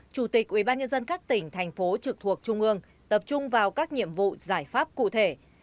chủ tịch ubnd các tỉnh thành phố trực thuộc trung ương tập trung vào các nhiệm vụ giải pháp cụ thể